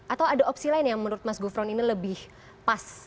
atau ada opsi lain yang menurut mas gufron ini lebih pas